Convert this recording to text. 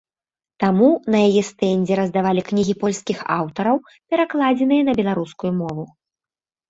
Таму на яе стэндзе раздавалі кнігі польскіх аўтараў, перакладзеныя на беларускую мову.